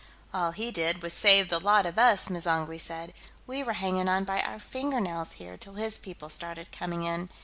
"All he did was save the lot of us!" M'zangwe said. "We were hanging on by our fingernails here till his people started coming in.